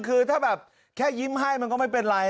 คือถ้าแบบแค่ยิ้มให้มันก็ไม่เป็นไร